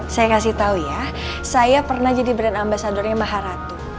saya kasih tau ya saya pernah jadi brand ambasadornya maha ratu